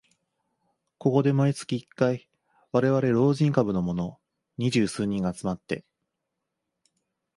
ここで毎月一回、われわれ老人株のもの二十数人が集まって